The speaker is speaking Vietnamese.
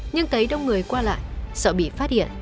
nhưng cấy đông người qua lại sợ bị phát hiện